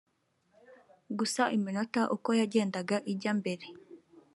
gusa iminota uko yagendaga ijya mbere